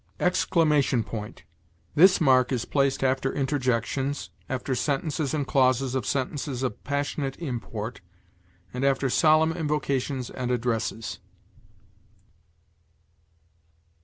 EXCLAMATION POINT. This mark is placed after interjections, after sentences and clauses of sentences of passionate import, and after solemn invocations and addresses.